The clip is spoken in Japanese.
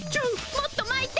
もっとまいて。